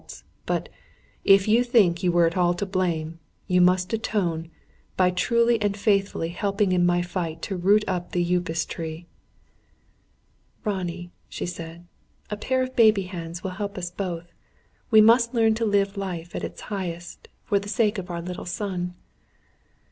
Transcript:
But if you think you were at all to blame you must atone, by truly and faithfully helping in my fight to root up the Upas tree." "Ronnie," she said, "a pair of baby hands will help us both. We must learn to live life at its highest, for the sake of our little son."